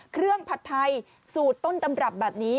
ผัดไทยสูตรต้นตำรับแบบนี้